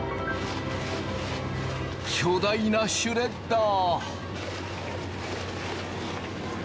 巨大なシュレッダー！